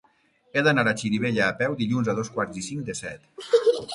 He d'anar a Xirivella a peu dilluns a dos quarts i cinc de set.